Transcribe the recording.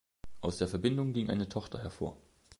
Aus der Verbindung ging eine Tochter hervor.